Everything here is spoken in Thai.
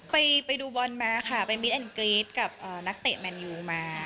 ไปดูบอลมาค่ะไปมิดแอนกรี๊ดกับนักเตะแมนยูมา